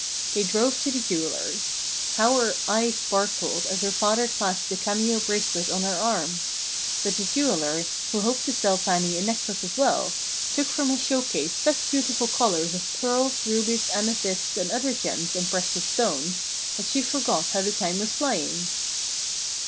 They drove to the jeweller's. How her eyes sparkled as her father clasped the cameo bracelet on her arm! But the jeweller, who hoped to sell Fannie a necklace as well, took from his showcase such beautiful collars of pearls, rubies, amethysts, and other gems and precious stones that she forgot how the time was flying.